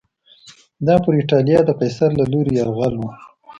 دا پر اېټالیا د قیصر له لوري یرغل و